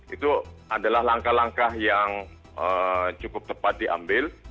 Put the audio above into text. itu adalah langkah langkah yang cukup tepat diambil